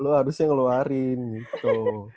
lu harusnya ngeluarin gitu